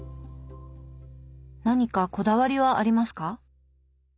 何かこだわりはありますか？